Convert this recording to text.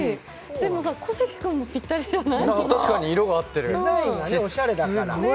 でも小関君もぴったりじゃない？